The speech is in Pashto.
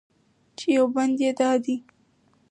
چې یو بند یې دا دی: